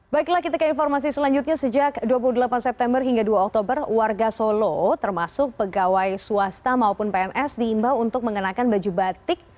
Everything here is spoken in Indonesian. baiklah kita ke informasi selanjutnya sejak dua puluh delapan september hingga dua oktober warga solo termasuk pegawai swasta maupun pns diimbau untuk mengenakan baju batik